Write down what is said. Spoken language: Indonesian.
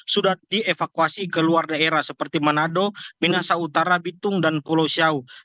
sudah dievakuasi ke luar daerah seperti manado minasa utara bitung dan pulau siau